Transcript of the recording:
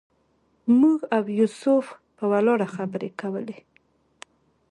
موږ او یوسف په ولاړه خبرې کولې.